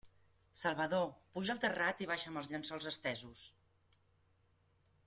Salvador, puja al terrat i baixa'm els llençols estesos!